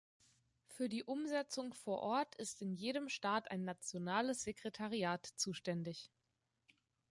Für die Umsetzung vor Ort ist in jedem Staat ein nationales Sekretariat zuständig.